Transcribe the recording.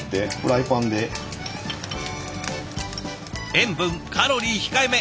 塩分カロリー控えめ。